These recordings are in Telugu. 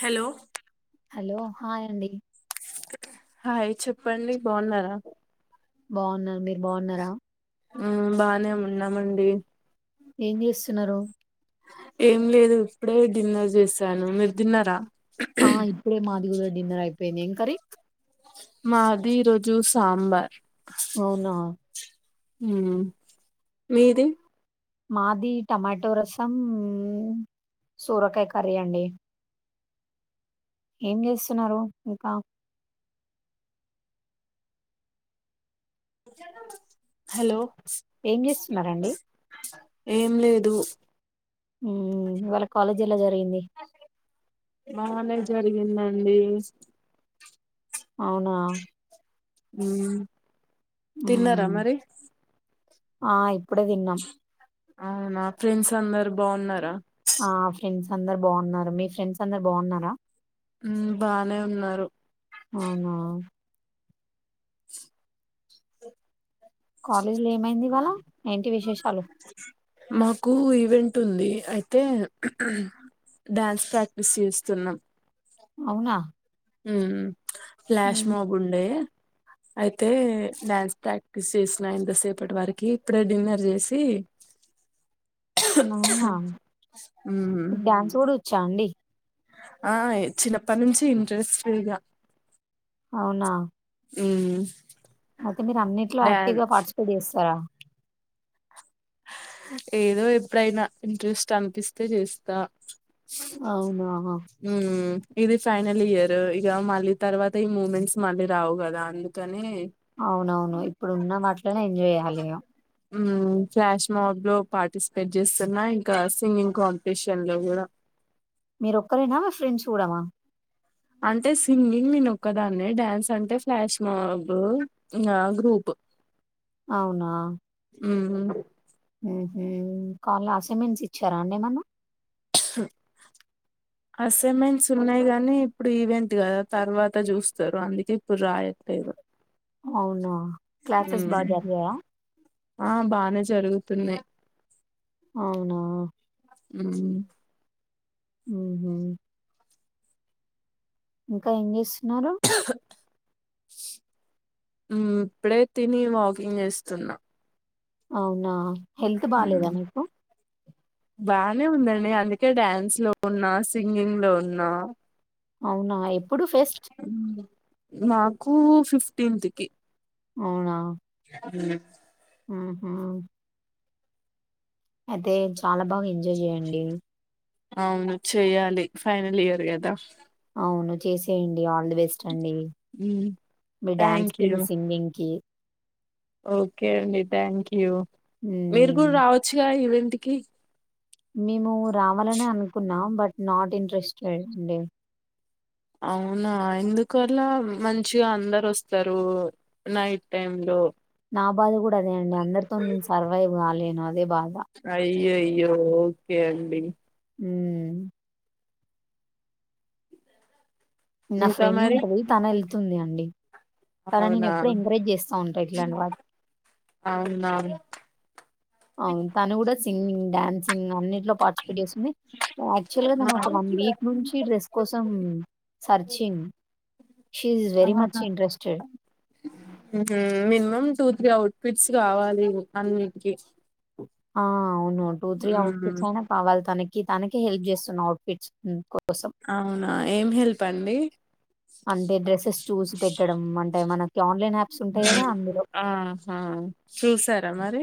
హలో హలో హాయ్ అండి హాయ్ చెప్పండి బాగున్నారా బాగున్నా మీరు బాగున్నారా ఉమ్ బానే ఉన్నామండి ఏం చేస్తున్నారు ఏం లేదు ఇప్పుడే డిన్నర్ చేసాను, మీరు తిన్నారా? ఆ ఇప్పుడే మాదిగు డిన్నర్ అయిపోయింది. ఏం కరి? మాది ఈ రోజు సాంబార్. అవునా హ. మీది? మాది టమాటో రసం సోరకాయ కర్రీ అండి. ఏం చేస్తున్నారు? ఇంకా హలో ఏం చేస్తున్నారండి? ఏం లేదు. హ్మ్. ఇవాళ కాలేజీ ఎలా జర్? బానే జరిగిందండి అవునా ఉహ తిన్నారా మరి? ఆయి అప్పుడే తిన్నాం. అవునా, ఫ్రెండ్స్ అందరు బాగున్నారా? ఆ ఫ్రెండ్స్ అందరు బాగున్నారు. మీ ఫ్రెండ్స్ అందరు బాగున్నారా? బానే ఉన్నారు. అవునా? కొ మాకు ఈవెంట్ ఉంది. అయితే డ్యాన్స్ ప్రాక్టీస్ చేస్తున్నాం. అవునా? ఉ ఫ్లాష్ హ్మ్. మోబ ఉండే అయితే డ్యాన్స్ ప్రాక్టీస్ చేసిన ఇంతసేపటి వరకి ఇప్పుడే డిన్నర్ చేసి నానా మ్మ్ డ్యాన్స్ వడు చా అండి ఆ చిన్నప్పటి నుంచి ఇంట్రెస్ట్గా అవునా ఉమ్మ్ అయితే మీరు అన్నింటిలో యాక్టివ్ గా పార్టిసిపేట్ చేస్తారా? ఏదో ఎప్పుడైనా ఇంట్రెస్ట్ అనిపిస్తే చేస్తా. అవునా మ్మ్ ఇది ఫైనల్ ఇయర్ ఇగ మళ్ళీ తర్వాత ఈ మూమెంట్స్ మళ్ళీ రావు కదా అందుకని అవునవును ఇప్పుడు ఉన్నాం అట్లనే ఎంజాయ్ చెయ్యాలి ఇగ మ్మ్ ఫ్లాష్ మాబ్ లో పార్టిసిపేట్ చేస్తున్నా ఇంకా సింగింగ్ కాంపిటీషన్ లో కూడా మీరు ఒక్కరైనా ఫ్రెండ్స్ కూడా నా అంటే సింగింగ్ నేనొక్క దాన్నే డ్యాన్స్ అంటే ఫ్లాష్ మాబ్ గ్రూప్ అవునా హ్మ్ హు హ్మ్ హు కల ఆసెమెన్స్ ఇచ్చారా అండేమన్నా అసైన్మెంట్స్ ఉన్నాయి గానీ ఇప్పుడు ఈవెంట్ కదా తర్వాత చూస్తారు అందుకే ఇప్పుడు రాయట్లేదు అవునా క్లాసెస్ మ్మ్ బాగా జరిగాయా ఆ బానే జరుగుతున్నాయి అవునా మ్మ్ హ్మ్ హు ఇంకా ఇంగ్లీష్ న్నారు మ్మ్ ఇప్పుడే తిని వాకింగ్ చేస్తున్నా అవునా హెల్త్ బాలేదా మ్మ్ మీకు బానే ఉందండి అందుకే డ్యాన్స్ లో ఉన్నా సింగింగ్ లో ఉన్నా అవునా ఇప్ ఎప్పుడు ఫెస్ట్ మ్మ్ మాకు ఫిఫ్టీన్త్ కి అవునా హ హ్మ్ హు అదే చాలా బాగా ఎంజాయ్ చేయండి అవును చెయ్యాలి ఫైనల్ ఇయర్ కదా అవును చేసేయండి ఆల్ ది బెస్ట్ అండి మ్మ్ మీ డ్యాన్స్ థ్యాంక్ కి యూ మీ సింగింగ్ కి ఓకే అండి థ్యాంక్ యూ మీరు హ్మ్ కూడా రావచ్చుగా ఈవెన్ టికి మేము రావాలని అనుకున్నాం బట్ నాట్ ఇంట్రెస్టెడ్ అండి అవునా ఎందుకలా మంచిగా అందరు వస్తారు నైట్ టైమ్ లో నా బాధ కూడా అదే అండి అందరితో నేను సర్వైవ్ కాలేను అదే బాధ అయ్యోయా య్యో ఓకే అండి హ్మ్ నా ఇంకా ఫ్రెండ్ మరి ఉంటది తన ఇల్ వస్తుంది అండి తనని నేను అవునా ఎప్పుడు ఎంకరేజ్ చేస్తా ఉంటా ఇట్లాంటి వాటి అవునా అవును తను కూడా సింగింగ్ డాన్స్ న్సింగ్ అన్నిట్లో పార్టిసిపేట్ చేస్తుంది యాక్టువల్గా ఆ! ఒక వన్ వీక్ నుంచి డ్రెస్ కోసం searching she is very much అవునా interested minimum two three outfits కావాలి అన్నిటికి ఆ అవును టూ త్రీ హ్మ్. ఔట్ఫిట్స్ అయినా కావాలి తనకి తనకే హెల్ప్ చేస్తు అవుట్ ఫిట్స్ అవునా ఏం హెల్ప్ అండి అంటే డ్రెస్సెస్ చూసి పెట్టడం అంటే మనకు ఆహా చూసారా మరి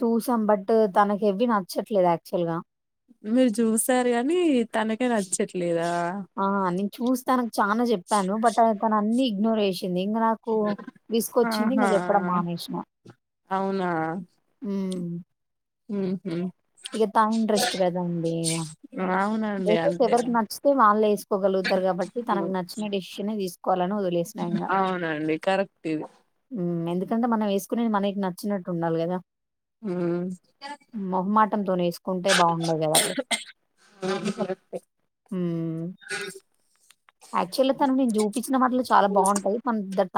చూసాం బట్ తనకి ఎవి నచ్చట్లేదు యాక్చువల్ గా మీరు చూసారు కాని తనకే నచ్చట్లేదా ఆ నేను చూస్తాన చాలా చెప్పాను బట్ తను అన్ని నరేష్ వచ్చింది ఇంక నాకు తీసుకొచ్చింది ఇంక చెప్పడం ఆహా మానేసిన మ్మ్ హ్మ్ ఇక తా ఇంట్రెస్ట్ కదాండి ఇ అవునండి డ్రసెస్ అంతే ఎవరికి నచ్చితే వాళ్ళు వేసుకోగలుగుతారు కాబట్టి తనకు నచ్చిన డెసిషన్ తీసుకు అవునండి కరెక్ట్ ఇది మ్మ్ ఎందుకంటే మనం వేసుకునేది మనకి నచ్చినట్టు ఉండాలి కదా మ్మ్ చంతోనే వేసుకుంటే బాగుండదడు కబాయి హ్మ్ యాక్చువల్ తను నేను చూపిించ న్న వాటిలో చాలా బాగుంటాయి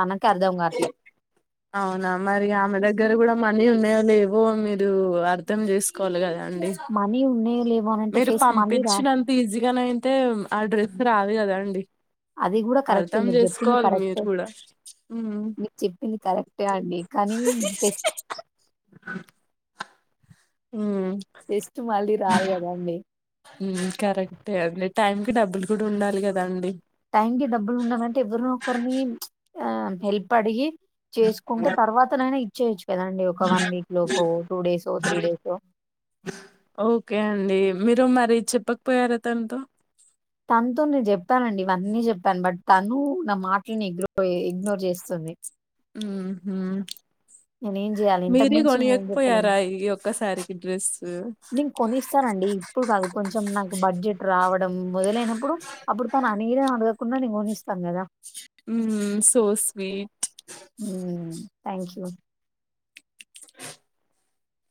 తనకు అర్దవంగట్లే అవునా మరి ఆమె దగ్గర కూడా మనీ ఉన్నాయో లేవో మీరు అర్ధం చేసుకోవాలి కదా అండి మనీ ఉన్నాయి లే మీరు పంపించినంత ఈజీగాన అయితే ఆ డ్రెస్ రాదు కదా అండి అది కూడా కరెక్టే అర్థం మీరు చెప్పింది చేసుకోవాలి మీరు కరెక్ట్ే కూడా ఉమ్ మీకు చెప్పింది కరెక్టే అండి కానీ మ్మ్ టెస్ట్ మళ్ళీ రాదు గదండీ. కరెక్ట్ బ్లెట్ టైం కి డబ్బులు కూడా ఉండాలి కదా అండి టైం కి డబ్బులు ఉండాలంటే ఎవరినో ఒకరిని ఆ హెల్ప్ అడిగి చేసుకుంటే తర్వాతనైనా ఇ చేయచ్చు కదండి ఒక వన్ వీక్ లో పో టూ డేసో త్రీ డేసో ఓకే అండి మీరు మరి చెప్పకపోయార తనతో తనతో నేను చెప్పానండి అన్ని చెప్పాను బట్ తను నా మాట్లన్నీ ఇగ్నో ఇగ్నోర్ చేస్తుంది ఉ హు నేనేం జేయాలి? ఇంతకు మీరే మించి నేనేం జెప్పలేను. కొనీయకపోయారా ఈ ఒక్కసారి డ్రస్ నేను కొనిస్తానండి ఇప్పుడు కాదు కొంచెం నాకు బడ్జెట్ రావడం మొదలైనప్పుడు అప్పుడు తను అడిగినా అడగకుండా నేను కొని స్తానుగదా ఉ సో స్వీట్ హ్మ్. థ్యాంక్ యూ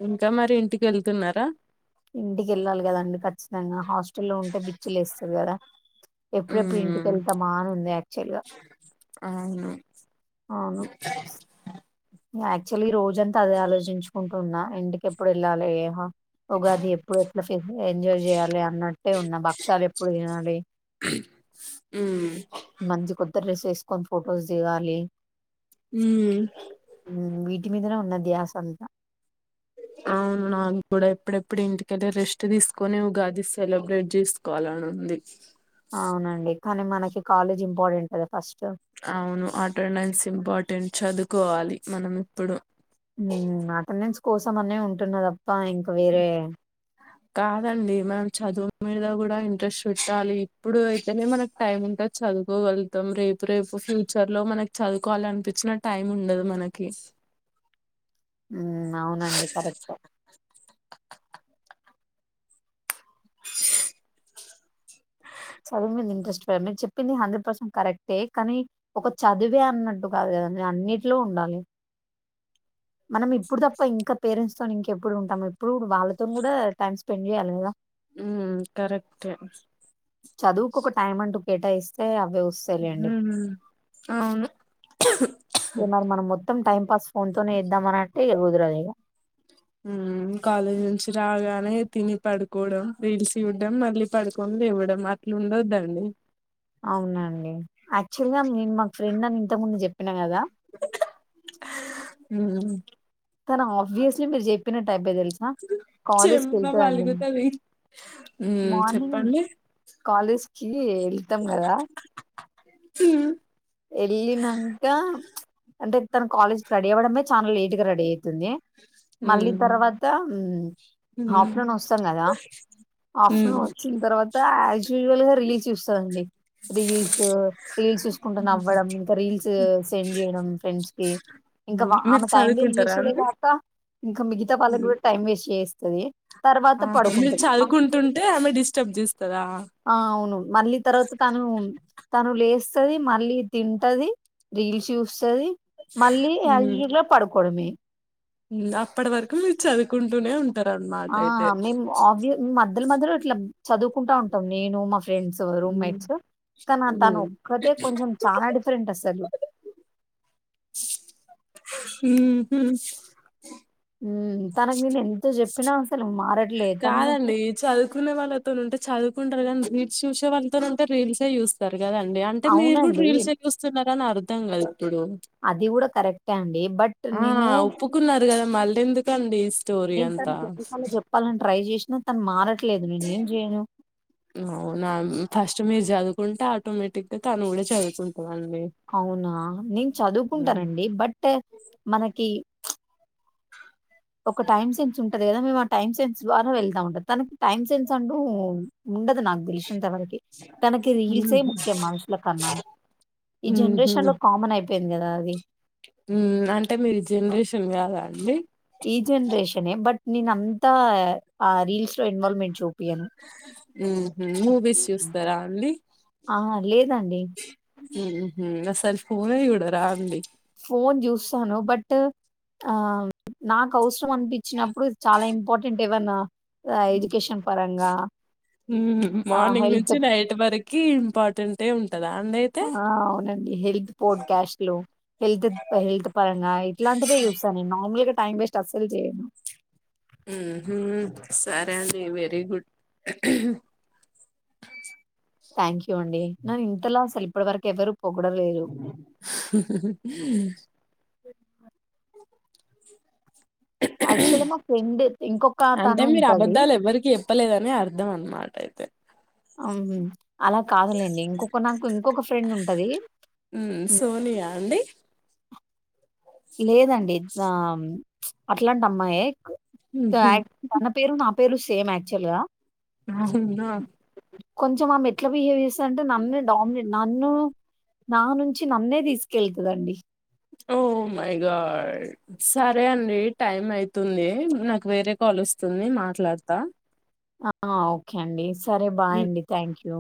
ఇంకా మరి ఇంటికి వెళ్తున్నారా ఇంటికెళ్ళాలి కదండి ఖ ఖచ్చితంగా హాస్టల్లో ఉంటే బిచ్చి లేస్తాది కదా ఎప్పుడెప్పుడు ఉమ్ ఇంటికెళ్తామా అని ఉంది యాక్చువల్ గా అవును యాక్చువల్లీ ఈ రోజంతా అదే ఆలోచించుకుంటున్నా ఇంటికి ఎప్పుడు వెళ్ళాలి ఏ ఉగాది ఎప్పుడు ఎట్లా ఎంజాయ్ చేయాలి అన్నట్టే ఉన్న భక్షాలు ఎప్పుడు తినాలి ఉ మంచి కొత్త డ్రెస్ వేసుకొని ఫొటోస్ దిగాలి హ ఇంటి మీదనే ధ్యాస అంతా అవును నాకు కూడా ఎప్పుడెప్పుడు ఇంటికెళ్ళి రెస్ట్ తీసుకొని ఉగాది సెలబ్రేట్ చేసుకోవాలని ఉంది అవునండి కానీ మన కి కాలేజ్ ఇంపార్టెంట్ కదా ఫస్ట్. అవును అటెండెన్స్ ఇంపార్టెంట్ చదువుకోవాలి మనం ఇప్పుడు మ్మ్ అటెండెన్స్ కోసం అనే ఉంటున్నవ ఆ ఇంక వేరే కాదండి మనం చదువు మీద కూడా ఇంట్రెస్ట్ పెట్టాలి ఇప్పుడు అయితేనే మనకు టైమ్ ఉంటే చదువుకోగలుగుతాం రేపు రేపు ఫ్యూచర్ లో మనకి చదువుకోవాలనిపించిన టైం ఉండదు మనకి మ్మ్ అవునండి కరెక్ట్ చదివు మీద ఇంట్రెస్ట్ పెయిండి ని చెప్పింది హండ్రెడ్ పర్సెంట్ కరెక్టే కానీ ఒక చదివే అన్నట్టు కాదు కదాని అన్నిట్లో ఉండాలి మనం ఇప్పుడు తప్ప ఇంకా పేరెంట్స్ తోని ఇంకెప్పుడు ఉంటాము ఎప్పుడు వాళ్ళతోన్ కూడా టైమ్ స్పెండ్ చేయాలి కదా ఉం కరెక్టే చదువుకు ఒక టైం అంటూ కేటాయిస్తే అ ఉహు అవును అ ఏగ మరి మన మొ త్తం టైం పాస్ ఫోన్ తోనే ఇద్దాంమనంట్టే ఇగ కుదురదు ఇగ ఉమ్ కాలేజ్ నుంచి రాగానే తిని పడుకోవడం రీల్స్ జూడం మళ్ళీ పడుకొని లేవడం అట్లా ఉండొద్దండి అవునండి యాక్చువల్గా నేను మాకు ఫ్రెండ్ అని ఇంతకు ముందు చెప్పినా కదా ఉమ్ తను ఆవ్విస్లీ మీరు చెప్పిన టైప్ తెలుసా కాలేజ్కి చెంప వెళ్తదండి పలుగుతది ఉమ్ మార్నింగ్ చెప్పండి కాలేజ్కి వెళ్తాం కదా హమ్ ఎల్లినంక అంటే తను కాలేజ్ కి రెడీవడమే చానా లేట్గా రడీ తుంది మళ్ళీ ఉమ్ తర్వాత ఉమ్. హాఫ్టర్ నూన్ వస్తాం కదా హాఫ్టర్ హ్మ్ నూన్ వచ్చిన తర్వాత యా యూజవల్ గా రిలీజ్ చూస్ సండి రీల్స్ రీల్స్ సు స్ నవ్వడం ఇంక రీల్స్ సెండ్ చేయడం ఫ్రెండ్స్ కి ఇంక హ్మ్ మీరు ఆమె టైం వెస్ట్ చదువుకుంటారా చేసేదే అండి కాక ఇంక మిగీత వాళ్ళ కూడా టైం వేస్ చేస్తది తర్వాత ఆహ మీరు పడుకుంటది చదువుకుంటుంటే ఆమె డిస్టర్బ్ చేస్ ఆ అవును మళ్ళీ తర్వాత తను తను లేస్ స్తది మళ్ళీ తింటది రీల్స్ చూస్తది మళ్ళీ ఐలో పడు కొడమే ఉ అప్పటి వరకు మీరు చదువుకుంటూనే ఉం ఆహ మి మ్ అవ్ మ మధ్య మధ్యలో ఇట్లా చదువుకుంటా ఉంటాం నేను మా ఫ్రెండ్స్ హ్మ్ రూమ్మేట్స్ తన తను హ్మ్ ఒక్కతే కొంచెం చానా డిఫరెంట్ అసలు ఉహు ఉమ్ తనకు నేను ఎంత చెప్పినా అ కాదండి చదువుకునే వాళ్ళతో నుంటే చదువుకుంటారు గానీ రీల్స్ చూసే వాళ్ళతోన్ ఉంటే రీల్సే చూస్తారు కదండి అంటే మీరు కూడా అవునండి రీల్స్ ఎ చుస్తున్నా కన అర్థంగాదు అది కూడా కరెక్టే అండి బట్ నేను గదా మళ్ళీ ఎందుకండి స్టోరి అంత వాళ్ళని ట్రై చేసినా తను మార అవు నా ఫస్ట్ మీరు చదువు కుంటే ఆటోమేటిక్గా తను కూడా చదువుకుంటాంది అవునా నేను చదువుకుంటానండి బట్ మనకి ఒక టైమ్ సెన్స్ ఉం కదా మేము ఆ టైమ్ సెన్స్ ద్వారా వెళ్తా ఉంటంది తనకి టైం సెన్స్ అంటూ ఉండదు నాకు తెలిషంతవరికి తనకి రీల్సే ఊహు ముఖ్యం మనుషుల కన్నా ఈ ఊహు జనరేషన్ లో కామన్ అయిపో పోయింది గదా అది అంటే మీరు ఈ జనరేషన్ కాదా అండి ఈ జనరేషనే బట్ నేన్ అంతా ఆ రీల్స్ లో ఇన్వాల్వ్మెంట్ మూవీస్ చూస్తారా అండి ఆ! లేదండి. ఫోన్ ఏ ఇవ్వకూడదు రాదండి ఫోన్ చూస్తాను బట్ ఆ నాకు అవసరం అనిపించినప్పుడు చాలా ఇంపార్టెంట్ ఏవన్నా ఆహ్, ఎడ్యుకేషన్ పరంగా, ఆహ్, మార్నింగ్ హెల్త్ నుంచి నైట్ వరకు ఇంపార్టెట్ ఏ ఆ అవునండి హెల్త్ పోడ్ క్యాష్లు హెల్త్ హెల్త్ పరంగా ఇట్లాంటివే చూస్తా నేను నార్మల్గా టైమ్ వేస్ట్స్ట్ అసలు చెయ్యను సరే అండి వెరీ గుడ్ థ్యాంక్ యూ చెకోండి న ఇంతలా స్వ ఇప్పుడు వరకు ఎవరు పొగడలేరు యాక్చువల్ మా ఫ్రెండ్ ఇంకొక అంటే తను మీరు ఉంటది అబద్ధాలు ఎవ్వరికి చెప్పలేదని అర్థం అనమాట అయితే అహ అలా కాదులేండి ఇంకొక నాకు ఇంకొక ఫ్రెండ్ ఉంటది మ్ సోనియా అండి లేదండి ఆ అట్లాంటి అమ్మాయే ఊహు తన పేరు నా పేరు సేమ్ యాక్చువల్గా అవునా కొంచెం ఆమే ఎట్లా బిహేవ్ చేస్తది అంటే నన్నే డమినేట్ నన్ను నా నుంచి నన్నే తీసుకెళ్తందండి. ఓ మైగాడ్ సరే అండి టైమ్ అయితుంది నాకు వేరే కాల్ వస్తుంది మాట్లాడతా. ఆ ఓకే అండి సరే మ్- బాయండి థ్యాంక్ యూ.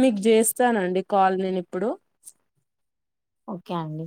మీకు చేస్తానండి కాల్ నేను ఇప్పుడు. ఓకే అండి